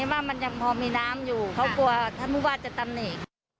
อ๋อมันเป็นแบบนี้